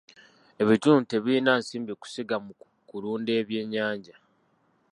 Ebitundu tebirina nsimbi kusiga mu kulunda byennyanja.